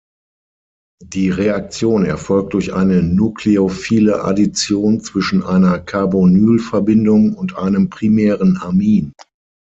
Die Reaktion erfolgt durch eine nukleophile Addition zwischen einer Carbonylverbindung und einem primären Amin.